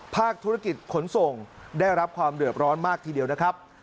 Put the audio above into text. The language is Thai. ภาคธุรกิจขนส่งได้รับความเดือดร้อนมากทีเดียวนะครับ